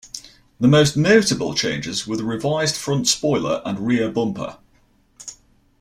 The most notable changes were the revised front spoiler and rear bumper.